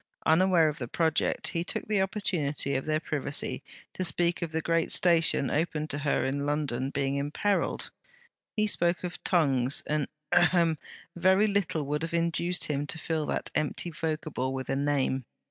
Unaware of the project, he took the opportunity of their privacy to speak of the great station open to her in London being imperilled; and he spoke of 'tongues,' and ahem! A very little would have induced him to fill that empty vocable with a name.